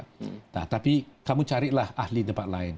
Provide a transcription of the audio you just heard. nah tapi kamu carilah ahli debat lain